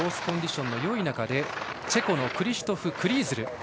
コンディションのよい中でチェコのクリシュトフ・クリーズル。